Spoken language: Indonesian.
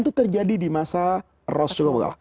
itu terjadi di masa rasulullah